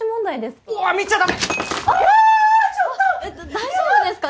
大丈夫ですか？